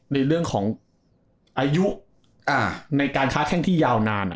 ในเรื่องของอายุในการค้าแข้งที่ยาวนาน